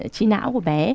trí não của bé